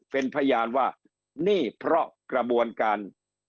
เป็นพยานว่านี่เพราะกระบวนการ